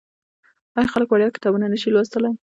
آیا خلک وړیا کتابونه نشي لوستلی؟